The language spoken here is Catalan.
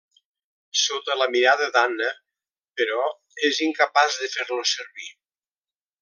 Sota la mirada d'Anna, però, és incapaç de fer-lo servir.